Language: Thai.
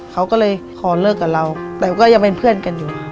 เขาก็เลยขอเลิกกับเราแต่ก็ยังเป็นเพื่อนกันอยู่